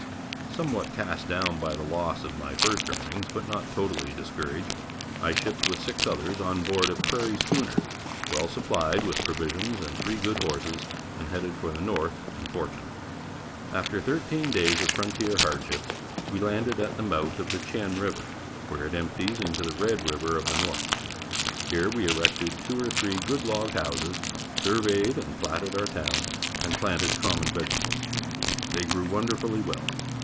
Somewhat cast down by the loss of my first earnings, but not totally discouraged, I shipped with six others on board a prairie schooner, well supplied with provisions and three good horses and headed for the north and fortune. After thirteen days of frontier hardships, we landed at the mouth of the Chien River where it empties into the Red River of the North. Here we erected two or three good log houses, surveyed and platted our town, and planted common vegetables. They grew wonderfully well.